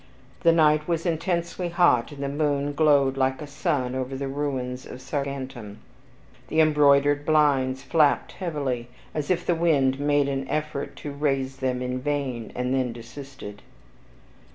The night was intensely hot, and the moon glowed like a sun over the ruins of Saguntum; the embroidered blinds flapped heavily, as if the wind made an effort to raise them in vain, and then desisted.